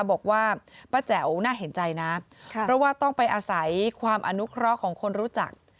บอกว่าป้าแจ๋วน่าเห็นใจนะเพราะว่าต้องไปอาศัยความอนุเคราะห์ของคนรู้จัก